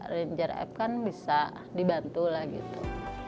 ranger app kan bisa dibantu lah gitu